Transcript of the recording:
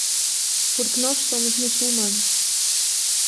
Porque nós somos muçulmanos.